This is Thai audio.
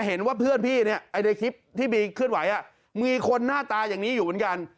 เห็นว่าเพื่อนพี่เนี่ยในคลิปที่มีเคลื่อนไหวมีคนหน้าตาอย่างนี้อยู่เหมือนกัน